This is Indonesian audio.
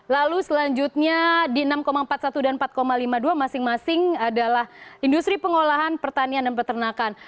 lalu selanjutnya di enam empat puluh satu dan empat lima puluh dua masing masing adalah industri pengolahan pertanian dan peternakan